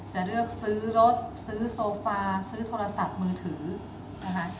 จะเลือกซื้อรถซื้อโซฟาซื้อโทรศัพท์มือถือนะคะ